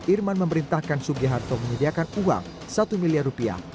irman memerintahkan sugiharto menyediakan uang satu miliar rupiah